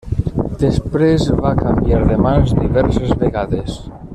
Després va canviar de mans diverses vegades.